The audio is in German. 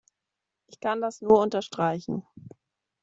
Ich kann das nur unterstreichen.